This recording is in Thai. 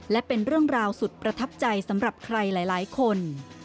และเป็นเรื่องราวสุดประทับใจสำหรับใครหลายคน